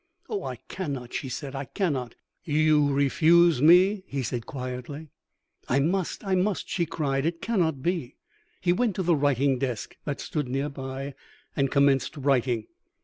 "'Oh, I cannot,' she said, 'I cannot.' "'You refuse me?' he said quietly. "'I must, I must,' she cried. 'It cannot be!' "He went to the writing desk that stood near by, and commenced writing.